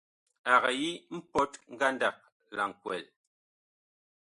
Ag yi mpɔt ngandag la nkwɛl.